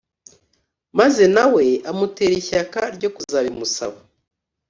maze na we amutera ishyaka ryo kuzabimusaba.